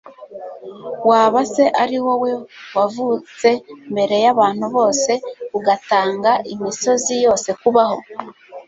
waba se ari wowe wavutse mbere y'abantu bose, ugatanga imisozi yose kubaho